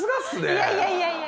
いやいやいやいやいや。